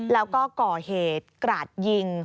แล้วก็ก่อเหตุกราดยิง